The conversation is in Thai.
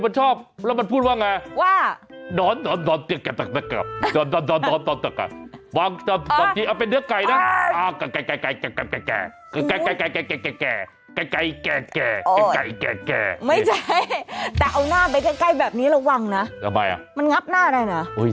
โอ้โฮคือเรื่องของเรื่องเจ้าตุ๊กแกตัวนี้บอกว่าชอบมากเลย